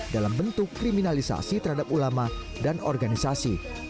dalam bentuk kriminalisasi terhadap ulama dan organisasi